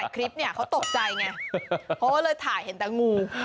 คนถ่ายคลิปเขาตกใจไงเพราะเลยถ่ายเห็นแต่งงู